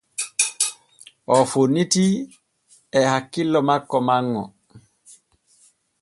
O fonnitii e hakkillo makko manŋo.